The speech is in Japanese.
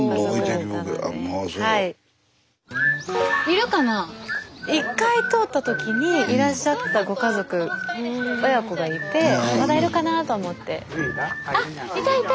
スタジオ一回通った時にいらっしゃったご家族親子がいてまだいるかなと思って。